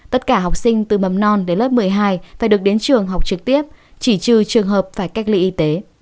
tất cả học sinh từ mầm non đến lớp một mươi hai phải được đến trường học trực tiếp chỉ trừ trường hợp phải cách ly y tế